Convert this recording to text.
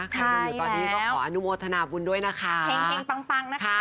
ใช่แล้วตอนนี้ก็ขออนุโมทนาบุญด้วยนะคะเค่งค่ะ